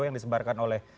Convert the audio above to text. yang disebarkan oleh